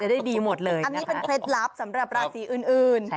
ได้ดีหมดเลยอันนี้เป็นเคล็ดลับสำหรับราศีอื่น